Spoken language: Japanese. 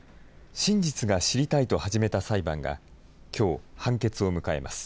真実が知りたいと始めた裁判が、きょう、判決を迎えます。